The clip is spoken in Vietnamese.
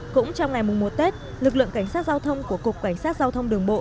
cũng trong ngày một tết lực lượng cảnh sát giao thông của cục cảnh sát giao thông đường bộ